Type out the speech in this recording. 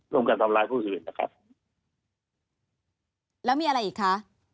การทำร้ายผู้อื่นนะครับแล้วมีอะไรอีกคะ